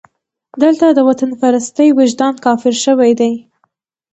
دلته د وطنپرستۍ وجدان کافر شوی دی.